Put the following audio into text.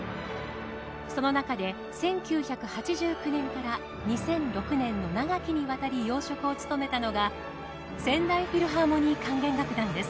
その中で１９８９年から２００６年の長きにわたり要職を務めたのが仙台フィルハーモニー管弦楽団です。